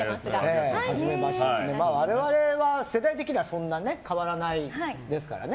我々は世代的にはそんな変わらないですからね。